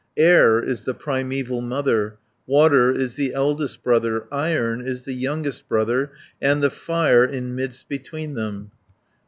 Air is the primeval mother, Water is the eldest brother, 30 Iron is the youngest brother, And the Fire in midst between them.